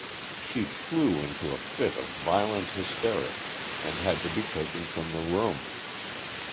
She flew into a fit of violent hysterics, and had to be taken from the room.